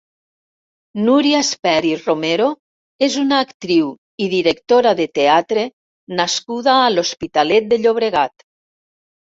Núria Espert i Romero és una actriu i directora de teatre nascuda a l'Hospitalet de Llobregat.